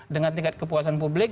dengan tingkat kepuasan publik